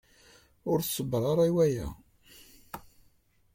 Ur tṣebber ara i waya.